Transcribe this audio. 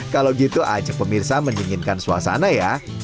kalau gitu ajak pemirsa menyinginkan suasana ya